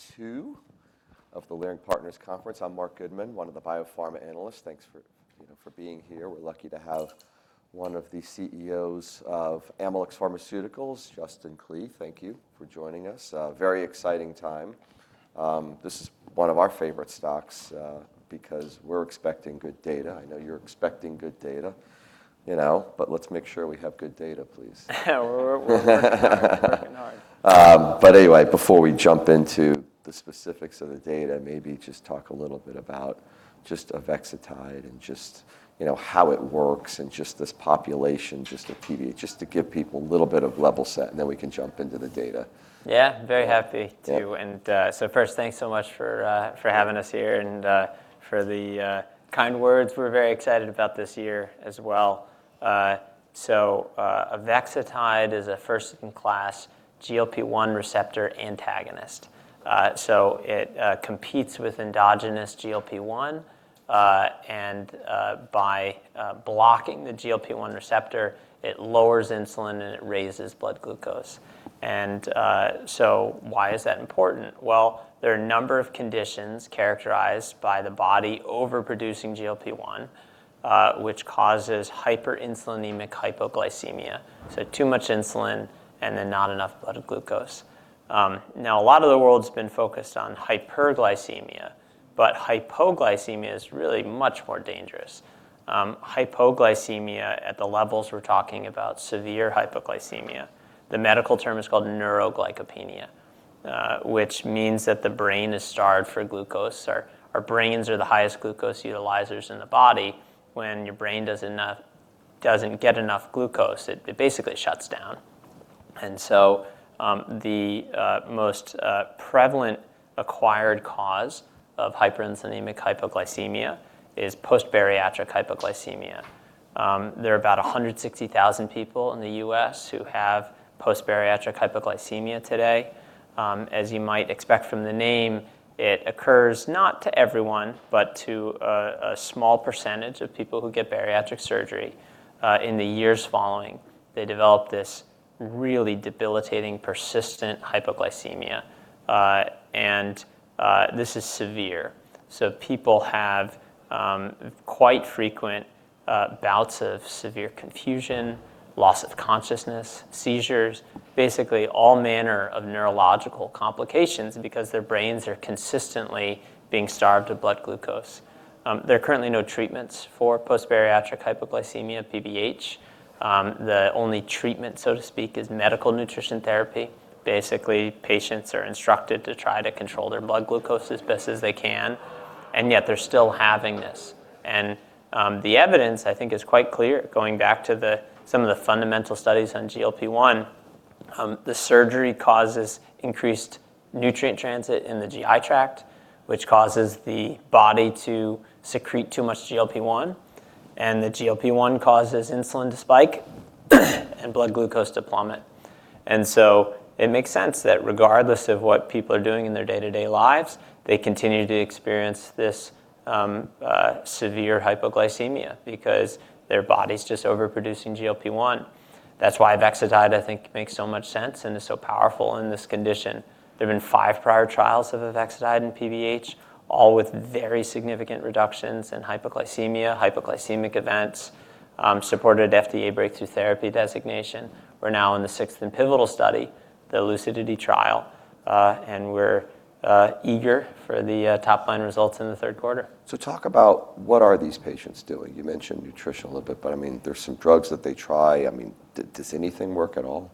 Day two of the Leerink Partners Conference. I'm Marc Goodman, one of the biopharma analysts. Thanks for, you know, for being here. We're lucky to have one of the CEOs of Amylyx Pharmaceuticals, Justin Klee. Thank you for joining us. Very exciting time. This is one of our favorite stocks, because we're expecting good data. I know you're expecting good data, you know, but let's make sure we have good data, please. Yeah, we're working hard. Anyway, before we jump into the specifics of the data, maybe just talk a little bit about avexitide and, you know, how it works and this population, the PBH, to give people a little bit of level set, and then we can jump into the data. Yeah, very happy to. Yeah. First, thanks so much for having us here and for the kind words. We're very excited about this year as well. Avexitide is a first-in-class GLP-1 receptor antagonist. It competes with endogenous GLP-1, and by blocking the GLP-1 receptor, it lowers insulin and it raises blood glucose. Why is that important? Well, there are a number of conditions characterized by the body overproducing GLP-1, which causes hyperinsulinemic hypoglycemia, so too much insulin and then not enough blood glucose. Now a lot of the world's been focused on hyperglycemia, but hypoglycemia is really much more dangerous. Hypoglycemia at the levels we're talking about, severe hypoglycemia, the medical term is called neuroglycopenia, which means that the brain is starved for glucose. Our brains are the highest glucose utilizers in the body. When your brain doesn't get enough glucose, it basically shuts down. The most prevalent acquired cause of hyperinsulinemic hypoglycemia is post-bariatric hypoglycemia. There are about 160,000 people in the U.S. who have post-bariatric hypoglycemia today. As you might expect from the name, it occurs not to everyone, but to a small percentage of people who get bariatric surgery. In the years following, they develop this really debilitating, persistent hypoglycemia and this is severe. People have quite frequent bouts of severe confusion, loss of consciousness, seizures, basically all manner of neurological complications because their brains are consistently being starved of blood glucose. There are currently no treatments for post-bariatric hypoglycemia, PBH. The only treatment, so to speak, is medical nutrition therapy. Basically, patients are instructed to try to control their blood glucose as best as they can, and yet they're still having this. The evidence, I think, is quite clear, going back to some of the fundamental studies on GLP-1. The surgery causes increased nutrient transit in the GI tract, which causes the body to secrete too much GLP-1, and the GLP-1 causes insulin to spike and blood glucose to plummet. It makes sense that regardless of what people are doing in their day-to-day lives, they continue to experience this, severe hypoglycemia because their body's just overproducing GLP-1. That's why avexitide, I think, makes so much sense and is so powerful in this condition. There have been five prior trials of avexitide in PBH, all with very significant reductions in hypoglycemia, hypoglycemic events, supported FDA breakthrough therapy designation. We're now in the sixth and pivotal study, the LUCIDITY trial, and we're eager for the top line results in the third quarter. Talk about what are these patients doing? You mentioned nutrition a little bit, but I mean, there's some drugs that they try. I mean, does anything work at all?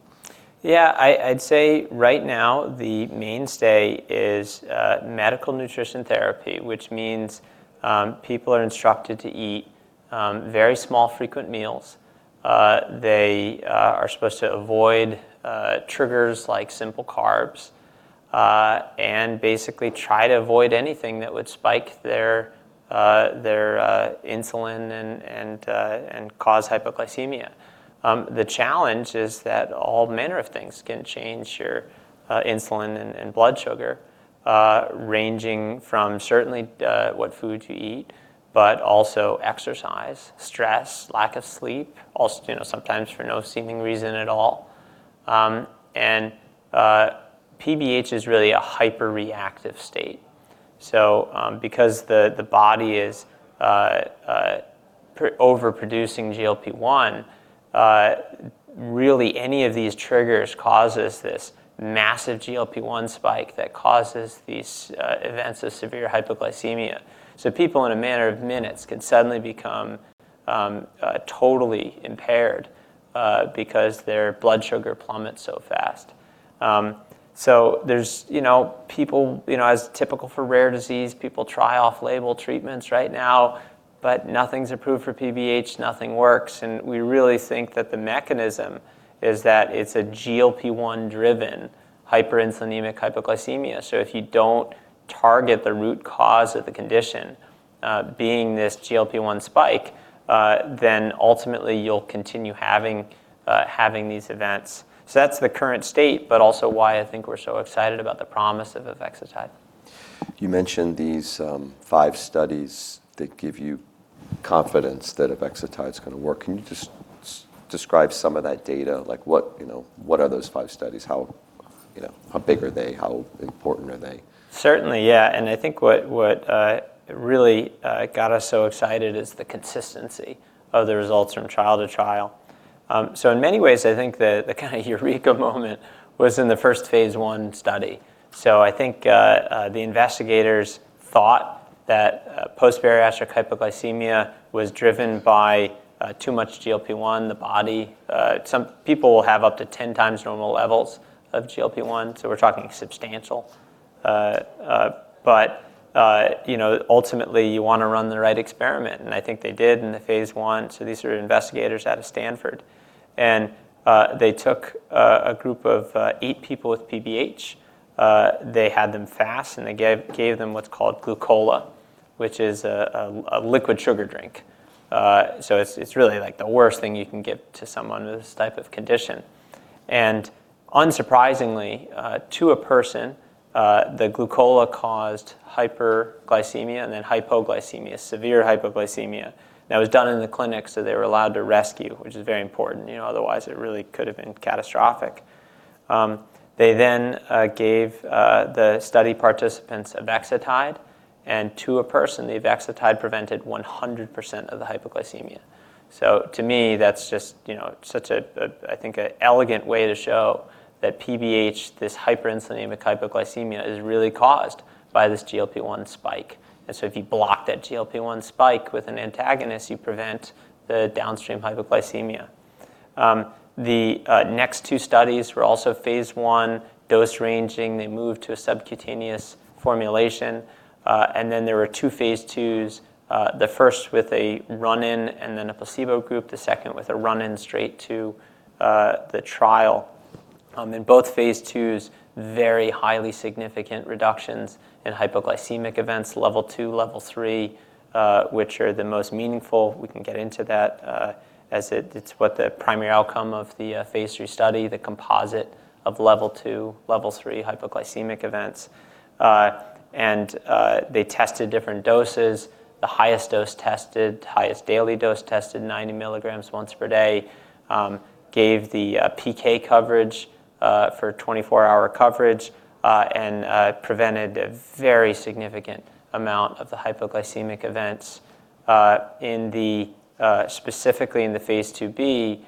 Yeah. I'd say right now the mainstay is medical nutrition therapy, which means people are instructed to eat very small frequent meals. They are supposed to avoid triggers like simple carbs and basically try to avoid anything that would spike their insulin and cause hypoglycemia. The challenge is that all manner of things can change your insulin and blood sugar ranging from certainly what food you eat, but also exercise, stress, lack of sleep, also you know sometimes for no seeming reason at all. PBH is really a hyperreactive state. Because the body is overproducing GLP-1 really any of these triggers causes this massive GLP-1 spike that causes these events of severe hypoglycemia. People in a matter of minutes can suddenly become totally impaired because their blood sugar plummets so fast. There's, you know, people, you know, as typical for rare disease, people try off-label treatments right now, but nothing's approved for PBH, nothing works, and we really think that the mechanism is that it's a GLP-1 driven hyperinsulinemic hypoglycemia. If you don't target the root cause of the condition, being this GLP-1 spike, then ultimately you'll continue having these events. That's the current state, but also why I think we're so excited about the promise of avexitide. You mentioned these five studies that give you confidence that if avexitide's gonna work. Can you just describe some of that data? Like what, you know, what are those five studies? How, you know, how big are they? How important are they? Certainly, yeah. I think what really got us so excited is the consistency of the results from trial to trial. In many ways, I think the kind of eureka moment was in the first phase I study. I think the investigators thought that post-bariatric hypoglycemia was driven by too much GLP-1. The body, some people will have up to 10 times normal levels of GLP-1, so we're talking substantial. You know, ultimately, you wanna run the right experiment, and I think they did in the phase I. These are investigators out of Stanford. They took a group of eight people with PBH. They had them fast, and they gave them what's called Glucola, which is a liquid sugar drink. It's really like the worst thing you can give to someone with this type of condition. Unsurprisingly, to a person, the Glucola caused hyperglycemia and then hypoglycemia, severe hypoglycemia. That was done in the clinic, so they were allowed to rescue, which is very important, you know. Otherwise, it really could have been catastrophic. They then gave the study participants avexitide, and to a person, the avexitide prevented 100% of the hypoglycemia. To me, that's just, you know, such a, I think, a elegant way to show that PBH, this hyperinsulinemic hypoglycemia, is really caused by this GLP-1 spike. If you block that GLP-1 spike with an antagonist, you prevent the downstream hypoglycemia. The next two studies were also phase I, dose ranging. They moved to a subcutaneous formulation. There were two phase IIs, the first with a run-in and then a placebo group, the second with a run-in straight to the trial. In both phase IIs, very highly significant reductions in hypoglycemic events, level II, level III, which are the most meaningful. We can get into that, as it's what the primary outcome of the phase III study, the composite of level II, level III hypoglycemic events. They tested different doses. The highest dose tested, highest daily dose tested, 90 mg once per day, gave the PK coverage for 24-hour coverage, and prevented a very significant amount of the hypoglycemic events, specifically in the phase II-B,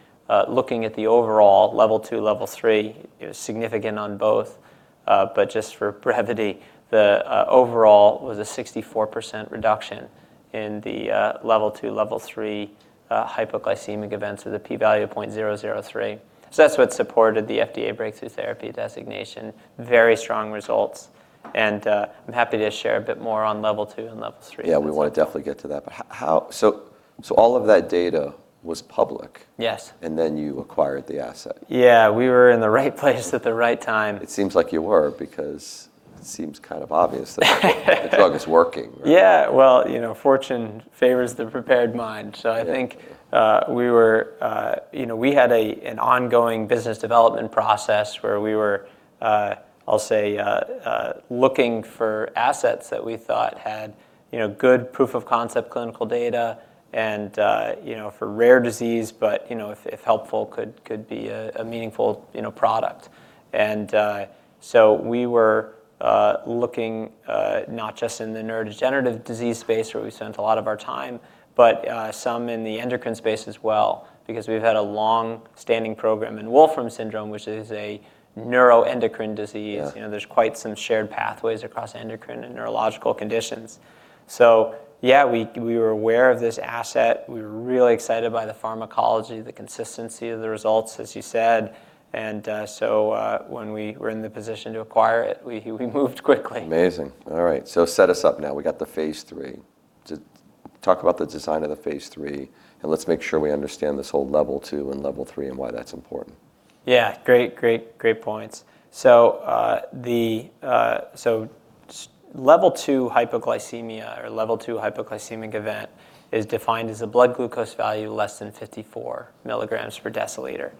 looking at the overall level II, level III. It was significant on both, but just for brevity, the overall was a 64% reduction in the level II, level III hypoglycemic events with a p-value of 0.003. So that's what supported the FDA breakthrough therapy designation, very strong results. I'm happy to share a bit more on level II and level III if that's. Yeah, we wanna definitely get to that. All of that data was public. Yes. You acquired the asset. Yeah, we were in the right place at the right time. It seems kind of obvious that the drug is working, right? Yeah. Well, you know, fortune favors the prepared mind. I think we were, you know, we had an ongoing business development process where we were, I'll say, looking for assets that we thought had, you know, good proof of concept clinical data and, you know, for rare disease, but, you know, if helpful, could be a meaningful, you know, product. We were looking not just in the neurodegenerative disease space, where we spent a lot of our time, but some in the endocrine space as well because we've had a long-standing program in Wolfram syndrome, which is a neuroendocrine disease. Yeah. You know, there's quite some shared pathways across endocrine and neurological conditions. Yeah, we were aware of this asset. We were really excited by the pharmacology, the consistency of the results, as you said. When we were in the position to acquire it, we moved quickly. Amazing. All right. Set us up now. We got the phase III. Talk about the design of the phase III, and let's make sure we understand this whole level II and level III and why that's important. Yeah, great points. The level two hypoglycemia or level II hypoglycemic event is defined as a blood glucose value less than 54 mg/dL.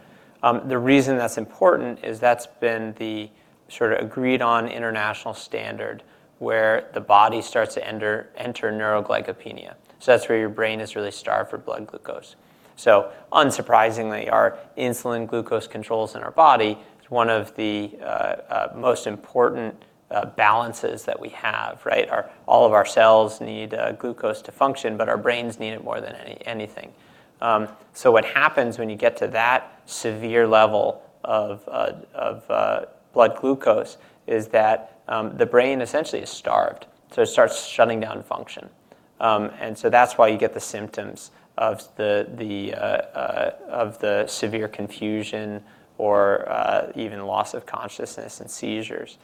The reason that's important is that's been the sort of agreed on international standard where the body starts to enter neuroglycopenia. That's where your brain is really starved for blood glucose. Unsurprisingly, our insulin glucose controls in our body is one of the most important balances that we have, right? All of our cells need glucose to function, but our brains need it more than anything. What happens when you get to that severe level of blood glucose is that the brain essentially is starved, so it starts shutting down function. That's why you get the symptoms of the severe confusion or even loss of consciousness and seizures.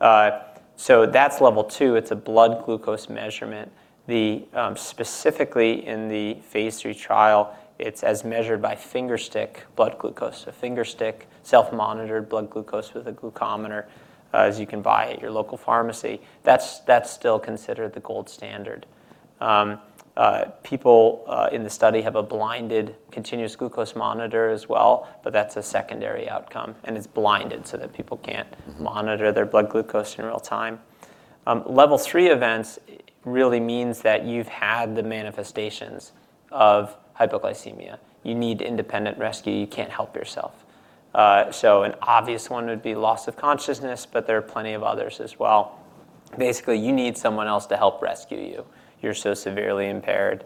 That's level II. It's a blood glucose measurement. Specifically in the phase III trial, it's as measured by finger stick blood glucose. A finger stick self-monitored blood glucose with a glucometer, as you can buy at your local pharmacy. That's still considered the gold standard. People in the study have a blinded continuous glucose monitor as well, but that's a secondary outcome, and it's blinded so that people can't monitor their blood glucose in real time. level III events really means that you've had the manifestations of hypoglycemia. You need independent rescue. You can't help yourself. An obvious one would be loss of consciousness, but there are plenty of others as well. Basically, you need someone else to help rescue you're so severely impaired.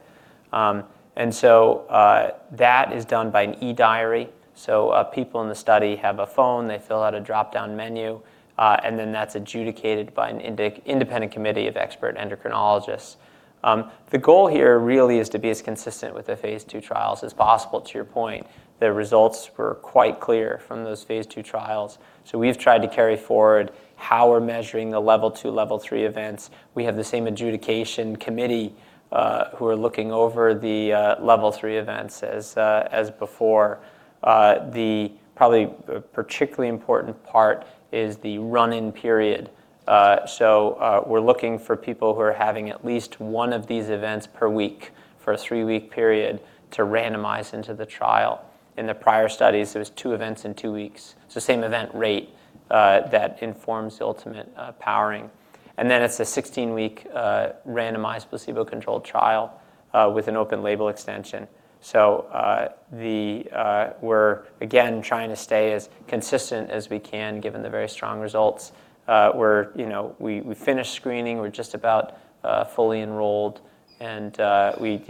That is done by an eDiary. People in the study have a phone. They fill out a drop-down menu, and then that's adjudicated by an independent committee of expert endocrinologists. The goal here really is to be as consistent with the phase II trials as possible. To your point, the results were quite clear from those phase II trials, so we've tried to carry forward how we're measuring the level II, level III events. We have the same adjudication committee who are looking over the level III events as before. The, probably, particularly important part is the run-in period. We're looking for people who are having at least one of these events per week for a three-week period to randomize into the trial. In the prior studies, it was two events in two weeks, so same event rate that informs the ultimate powering. It's a 16-week randomized placebo-controlled trial with an open label extension. We're again trying to stay as consistent as we can given the very strong results. You know, we finished screening. We're just about fully enrolled and, you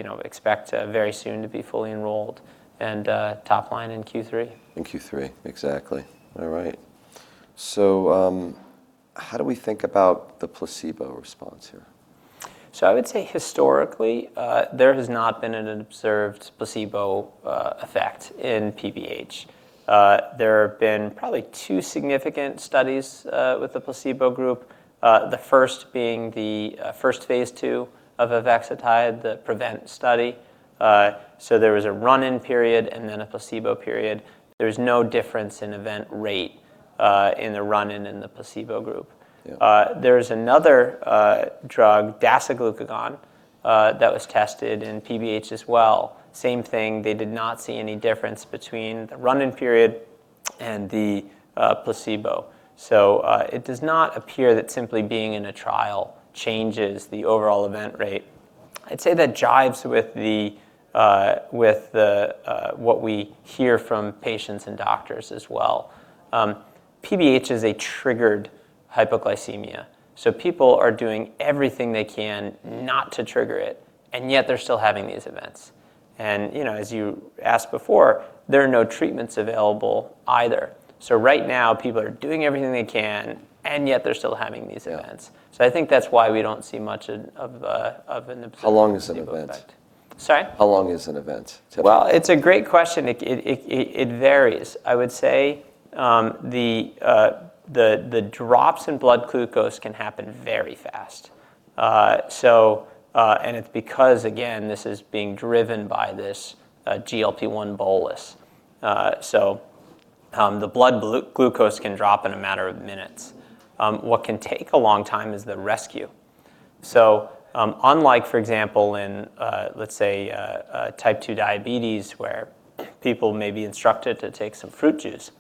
know, we expect very soon to be fully enrolled and top line in Q3. In Q3. Exactly. All right. How do we think about the placebo response here? I would say historically, there has not been an observed placebo effect in PBH. There have been probably two significant studies with the placebo group, the first being the first phase II of avexitide, the PREVENT study. There was a run-in period and then a placebo period. There's no difference in event rate in the run-in and the placebo group. Yeah. There's another drug, dasiglucagon, that was tested in PBH as well. Same thing. They did not see any difference between the run-in period and the placebo. It does not appear that simply being in a trial changes the overall event rate. I'd say that jibes with what we hear from patients and doctors as well. PBH is a triggered hypoglycemia, so people are doing everything they can not to trigger it, and yet they're still having these events. You know, as you asked before, there are no treatments available either. Right now, people are doing everything they can, and yet they're still having these events. Yeah. I think that's why we don't see much of an observed placebo effect. How long is an event? Sorry? How long is an event? Well, it's a great question. It varies. I would say the drops in blood glucose can happen very fast. It's because, again, this is being driven by this GLP-1 bolus. The blood glucose can drop in a matter of minutes. What can take a long time is the rescue. Unlike, for example, in type 2 diabetes where people may be instructed to take some fruit juice,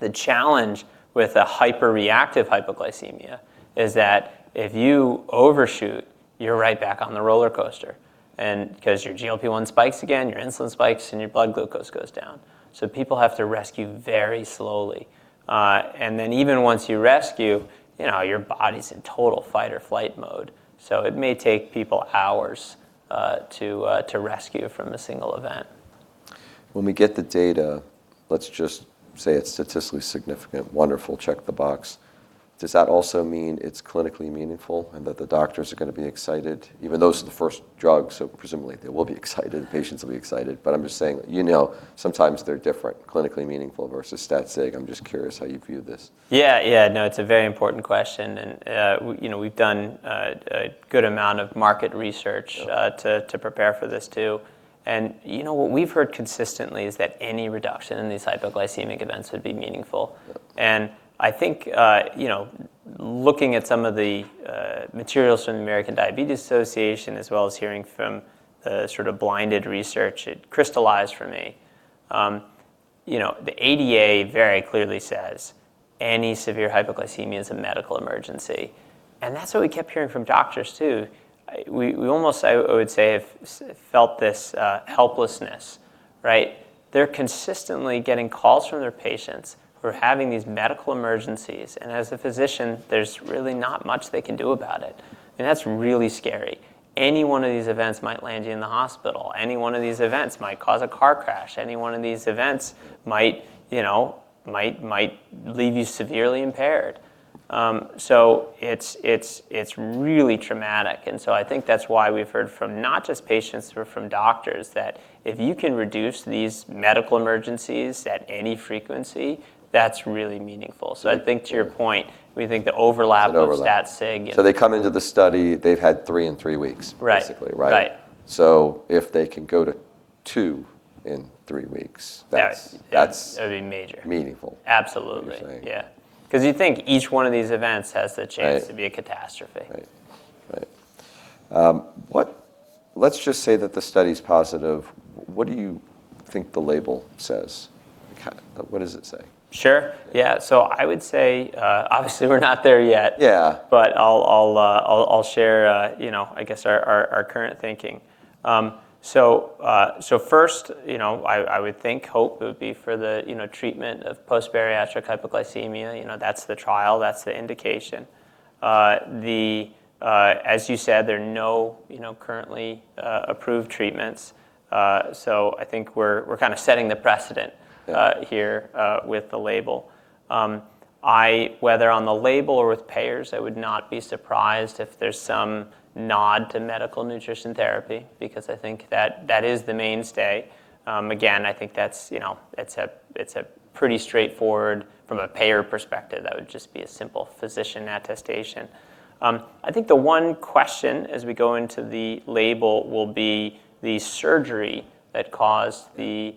the challenge with hyperinsulinemic hypoglycemia is that if you overshoot, you're right back on the roller coaster, 'cause your GLP-1 spikes again, your insulin spikes, and your blood glucose goes down. People have to rescue very slowly. Even once you rescue, you know, your body's in total fight or flight mode, so it may take people hours to rescue from a single event. When we get the data, let's just say it's statistically significant, wonderful, check the box. Does that also mean it's clinically meaningful and that the doctors are gonna be excited? Even those are the first drugs, so presumably they will be excited, patients will be excited. But I'm just saying, you know, sometimes they're different, clinically meaningful versus stat sig. I'm just curious how you view this. Yeah, yeah. No, it's a very important question. You know, we've done a good amount of market research. Yeah To prepare for this too. You know, what we've heard consistently is that any reduction in these hypoglycemic events would be meaningful. Yeah. I think, you know, looking at some of the materials from the American Diabetes Association, as well as hearing from the sort of blinded research, it crystallized for me. You know, the ADA very clearly says any severe hypoglycemia is a medical emergency, and that's what we kept hearing from doctors too. We almost, I would say, have felt this helplessness, right? They're consistently getting calls from their patients who are having these medical emergencies, and as a physician, there's really not much they can do about it, and that's really scary. Any one of these events might land you in the hospital. Any one of these events might cause a car crash. Any one of these events might, you know, leave you severely impaired. It's really traumatic. I think that's why we've heard from not just patients or from doctors, that if you can reduce these medical emergencies at any frequency, that's really meaningful. I think to your point, we think the overlap. The overlap. of stat sig They come into the study, they've had three in three weeks. Right Basically, right? Right. If they can go to two in three weeks. Yes. That's- That would be major. meaningful. Absolutely. You're saying? Yeah. 'Cause you'd think each one of these events has the chance. Right to be a catastrophe. Right. Let's just say that the study's positive, what do you think the label says? What does it say? Sure. Yeah, I would say, obviously we're not there yet. Yeah. I'll share, you know, I guess our current thinking. First, you know, I would think hope it would be for the, you know, treatment of post-bariatric hypoglycemia, you know. That's the trial, that's the indication. As you said, there are no, you know, currently approved treatments. I think we're kind of setting the precedent. Yeah Here, with the label. Whether on the label or with payers, I would not be surprised if there's some nod to medical nutrition therapy, because I think that is the mainstay. Again, I think that's, you know, it's a pretty straightforward from a payer perspective, that would just be a simple physician attestation. I think the one question as we go into the label will be the surgery that caused the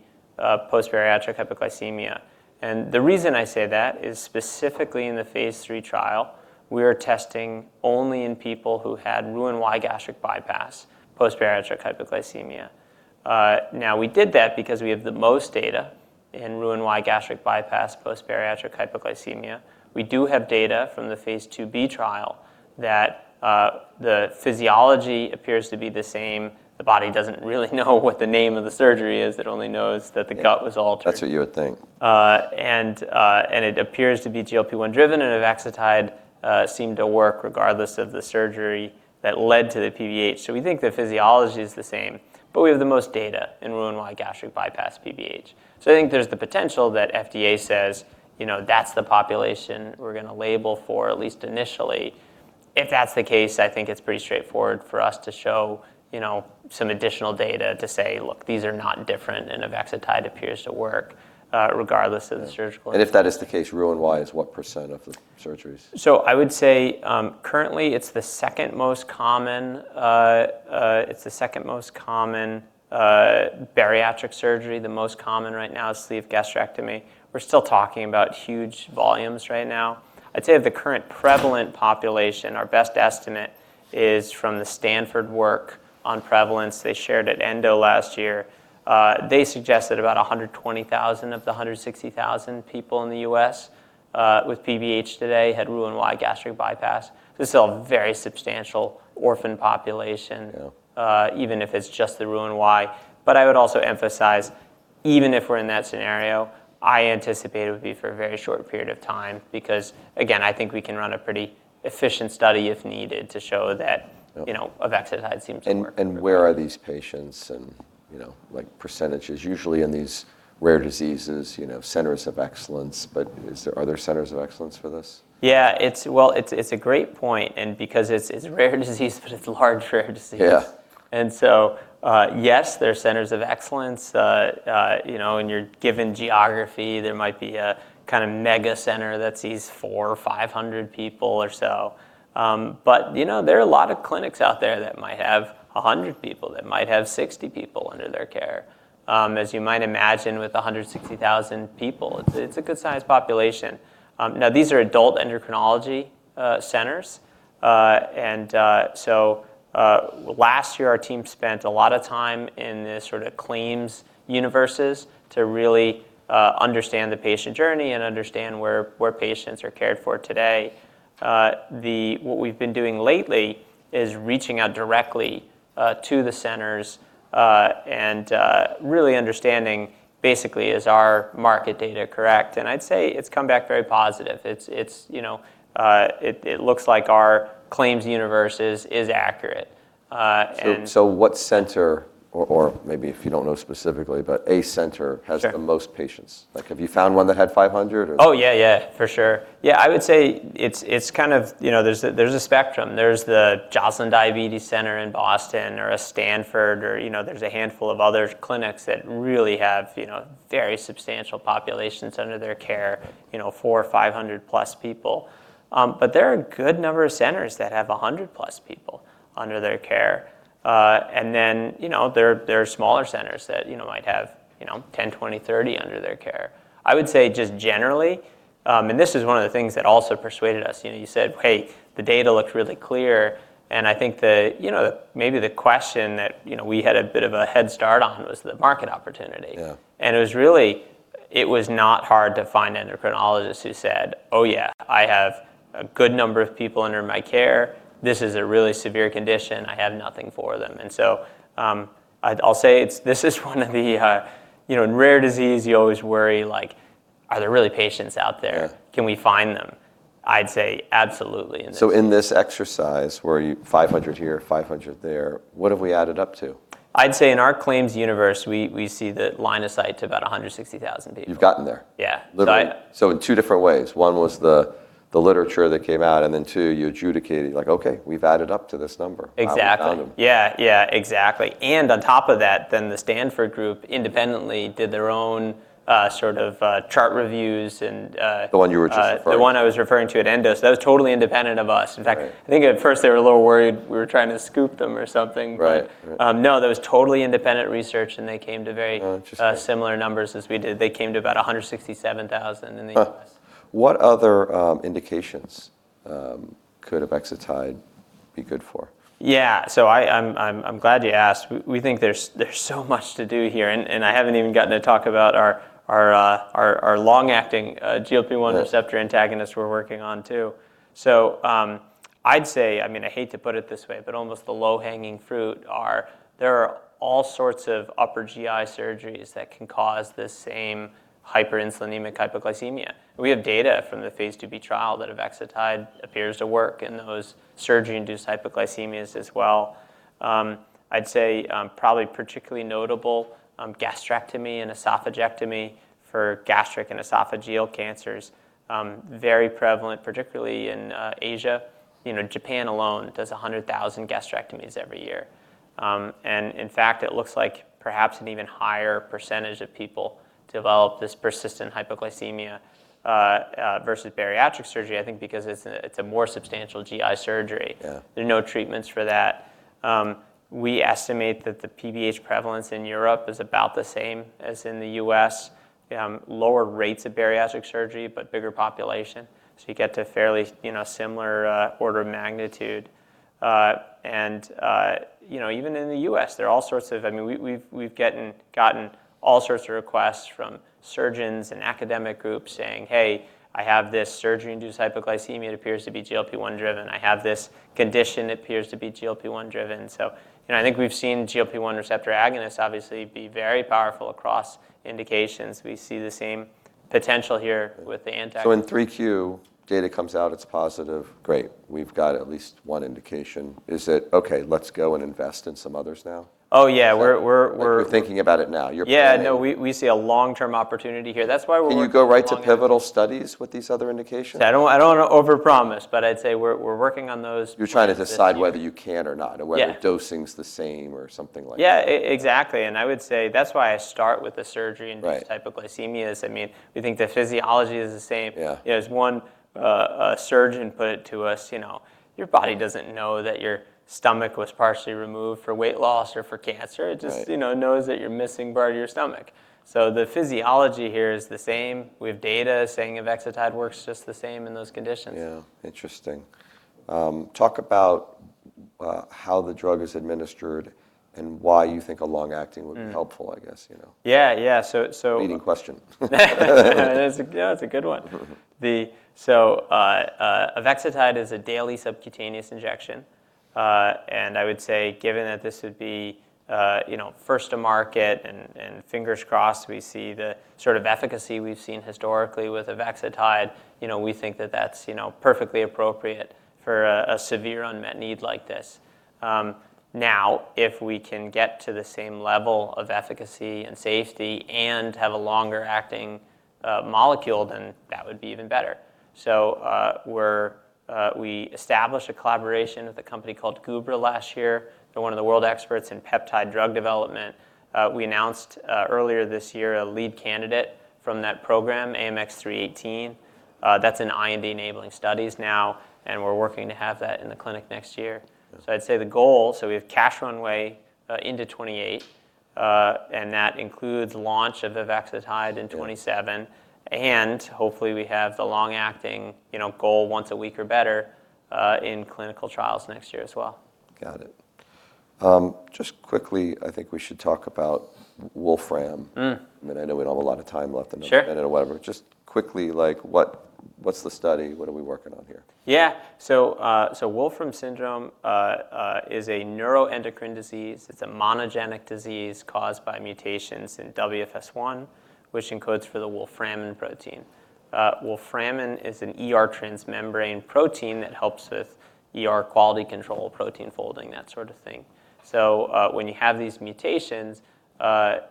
post-bariatric hypoglycemia. The reason I say that is specifically in the phase III trial, we are testing only in people who had Roux-en-Y gastric bypass post-bariatric hypoglycemia. Now we did that because we have the most data in Roux-en-Y gastric bypass post-bariatric hypoglycemia. We do have data from the phase II-B trial that the physiology appears to be the same. The body doesn't really know what the name of the surgery is. It only knows that the gut was altered. That's what you would think. It appears to be GLP-1 driven, and avexitide seemed to work regardless of the surgery that led to the PBH. We think the physiology is the same, but we have the most data in Roux-en-Y gastric bypass PBH. I think there's the potential that FDA says, you know, that's the population we're gonna label for at least initially. If that's the case, I think it's pretty straightforward for us to show, you know, some additional data to say, "Look, these are not different, and avexitide appears to work regardless of the surgical. If that is the case, Roux-en-Y is what percent of the surgeries? I would say, currently, it's the second most common bariatric surgery. The most common right now is sleeve gastrectomy. We're still talking about huge volumes right now. I'd say the current prevalent population, our best estimate is from the Stanford work on prevalence they shared at ENDO last year. They suggest that about 120,000 of the 160,000 people in the U.S. with PBH today had Roux-en-Y gastric bypass. This is a very substantial orphan population. Yeah Even if it's just the Roux-en-Y. I would also emphasize, even if we're in that scenario, I anticipate it would be for a very short period of time because, again, I think we can run a pretty efficient study if needed to show that. Yeah You know, avexitide seems to work. Where are these patients and, you know, like percentages? Usually in these rare diseases, you know, centers of excellence, but are there centers of excellence for this? Yeah. Well, it's a great point and because it's a rare disease, but it's a large rare disease. Yeah. Yes, there are centers of excellence. You know, in your given geography, there might be a kinda mega center that sees 400 or 500 people or so. You know, there are a lot of clinics out there that might have 100 people, that might have 60 people under their care. As you might imagine with 160,000 people, it's a good size population. Now these are adult endocrinology centers. Last year our team spent a lot of time in the sort of claims universes to really understand the patient journey and understand where patients are cared for today. What we've been doing lately is reaching out directly to the centers and really understanding basically is our market data correct. I'd say it's come back very positive. It's you know it looks like our claims universe is accurate. what center or maybe if you don't know specifically, but a center Sure Has the most patients? Like, have you found one that had 500 or? Oh, yeah. For sure. Yeah, I would say it's kind of, you know, there's a spectrum. There's the Joslin Diabetes Center in Boston or a Stanford or, you know, there's a handful of other clinics that really have, you know, very substantial populations under their care, you know, 400 or 500 plus people. There are a good number of centers that have 100 plus people under their care. You know, there are smaller centers that, you know, might have, you know, 10, 20, 30 under their care. I would say just generally, and this is one of the things that also persuaded us. You know, you said, "Hey, the data looks really clear." I think the, you know, maybe the question that, you know, we had a bit of a head start on was the market opportunity. Yeah. It was really, it was not hard to find endocrinologists who said, "Oh yeah, I have a good number of people under my care. This is a really severe condition. I have nothing for them." I'll say it's, this is one of the, you know, in rare disease you always worry like, are there really patients out there? Yeah. Can we find them? I'd say absolutely in this. In this exercise where you $500 here, $500 there, what have we added up to? I'd say in our claims universe, we see the line of sight to about 160,000 people. You've gotten there? Yeah. Literally. But I- In two different ways, one was the literature that came out, and then two, you adjudicated, like, "Okay, we've added up to this number. Exactly. Now we found them. Yeah. Yeah, exactly. On top of that, then the Stanford group independently did their own, sort of, chart reviews and, The one you were just referring- The one I was referring to at Endo. That was totally independent of us. Right. In fact, I think at first they were a little worried we were trying to scoop them or something. Right. Right. no, that was totally independent research, and they came to very- Oh, interesting. similar numbers as we did. They came to about 167,000 in the U.S. Huh. What other indications could avexitide be good for? I'm glad you asked. We think there's so much to do here, and I haven't even gotten to talk about our long-acting GLP-1 receptor antagonist. Yeah... we're working on too. I'd say, I mean, I hate to put it this way, but almost the low-hanging fruit are all sorts of upper GI surgeries that can cause the same hyperinsulinemic hypoglycemia. We have data from the phase II-B trial that avexitide appears to work in those surgery-induced hypoglycemias as well. I'd say, probably particularly notable, gastrectomy and esophagectomy for gastric and esophageal cancers. Very prevalent, particularly in Asia. You know, Japan alone does 100,000 gastrectomies every year. In fact, it looks like perhaps an even higher percentage of people develop this persistent hypoglycemia versus bariatric surgery, I think because it's a more substantial GI surgery. Yeah. There are no treatments for that. We estimate that the PBH prevalence in Europe is about the same as in the US. Lower rates of bariatric surgery, but bigger population, so you get to fairly, you know, similar order of magnitude. You know, even in the US, there are all sorts of I mean, we've gotten all sorts of requests from surgeons and academic groups saying, "Hey, I have this surgery-induced hypoglycemia. It appears to be GLP-1 driven. I have this condition. It appears to be GLP-1 driven." You know, I think we've seen GLP-1 receptor agonists obviously be very powerful across indications. We see the same potential here with the anti- In 3Q, data comes out, it's positive, great. We've got at least one indication. Is it okay, let's go and invest in some others now? Oh, yeah. We're Like, you're thinking about it now. You're planning. Yeah. No. We see a long-term opportunity here. That's why we're working. Can you go right to pivotal studies with these other indications? See, I don't want to overpromise, but I'd say we're working on those. You're trying to decide whether you can or not. Yeah whether dosing's the same or something like that. Yeah. Exactly. I would say that's why I start with the surgery-induced. Right Hypoglycemias. I mean, we think the physiology is the same. Yeah. You know, as one surgeon put it to us, you know, "Your body doesn't know that your stomach was partially removed for weight loss or for cancer. Right. It just, you know, knows that you're missing part of your stomach." The physiology here is the same. We have data saying avexitide works just the same in those conditions. Yeah. Interesting. Talk about how the drug is administered and why you think a long-acting would be helpful, I guess, you know? Yeah. Yeah. Leading question. That's a good one. Yeah, that's a good one. Avexitide is a daily subcutaneous injection. I would say given that this would be, you know, first to market, and fingers crossed, we see the sort of efficacy we've seen historically with avexitide, you know, we think that that's, you know, perfectly appropriate for a severe unmet need like this. Now, if we can get to the same level of efficacy and safety and have a longer-acting molecule, then that would be even better. We established a collaboration with a company called Gubra last year. They're one of the world experts in peptide drug development. We announced earlier this year a lead candidate from that program, AMX0318. That's in IND-enabling studies now, and we're working to have that in the clinic next year. Yeah. I'd say the goal, so we have cash runway into 2028, and that includes launch of avexitide in 2027. '27. Hopefully, we have the long acting, you know, GLP-1 once a week or better, in clinical trials next year as well. Got it. Just quickly, I think we should talk about Wolfram. Mm. I mean, I know we don't have a lot of time left. Sure whatever, but just quickly, like, what's the study? What are we working on here? Yeah. Wolfram syndrome is a neuroendocrine disease. It's a monogenic disease caused by mutations in WFS1, which encodes for the Wolframin protein. Wolframin is an ER transmembrane protein. It helps with ER quality control, protein folding, that sort of thing. When you have these mutations,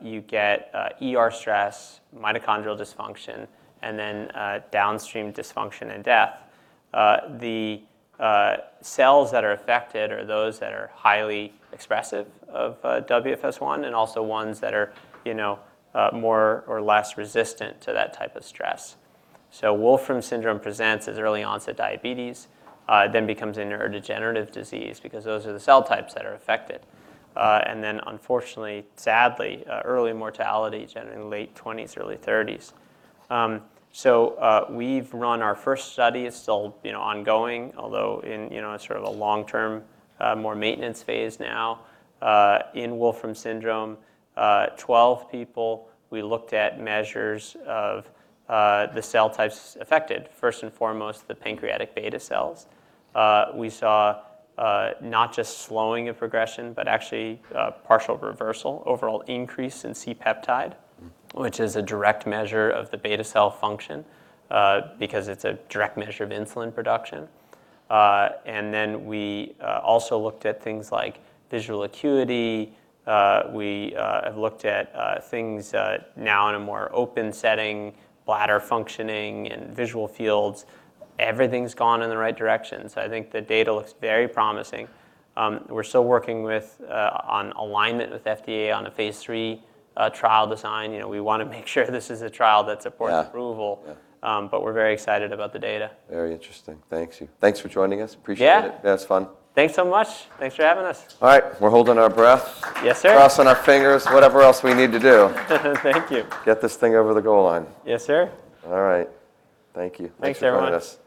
you get ER stress, mitochondrial dysfunction, and then downstream dysfunction and death. The cells that are affected are those that are highly expressive of WFS1 and also ones that are, you know, more or less resistant to that type of stress. Wolfram syndrome presents as early onset diabetes, then becomes a neurodegenerative disease because those are the cell types that are affected. Unfortunately, sadly, early mortality, generally in late 20s, early 30s. We've run our first study. It's still, you know, ongoing, although in, you know, a sort of a long-term, more maintenance phase now, in Wolfram syndrome. 12 people, we looked at measures of the cell types affected, first and foremost the pancreatic beta cells. We saw not just slowing of progression, but actually a partial reversal, overall increase in C-peptide- Mm Which is a direct measure of the beta cell function, because it's a direct measure of insulin production. We also looked at things like visual acuity. We have looked at things now in a more open setting, bladder functioning and visual fields. Everything's gone in the right direction, so I think the data looks very promising. We're still working on alignment with FDA on a phase III trial design. You know, we wanna make sure this is a trial that supports approval. Yeah. Yeah. We're very excited about the data. Very interesting. Thank you. Thanks for joining us. Appreciate it. Yeah. Yeah, it's fun. Thanks so much. Thanks for having us. All right. We're holding our breath. Yes, sir. Crossing our fingers, whatever else we need to do. Thank you. Get this thing over the goal line. Yes, sir. All right. Thank you. Thanks, everyone.